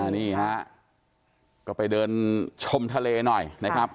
นี่ฮะก็ไปเดินชมทะเลหน่อยนะครับ